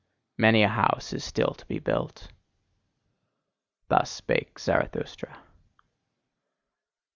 Many a house is still to be built! Thus spake Zarathustra.